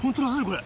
これ。